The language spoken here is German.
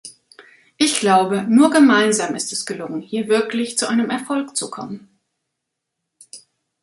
Ich glaube, nur gemeinsam ist es gelungen, hier wirklich zu einem Erfolg zu kommen.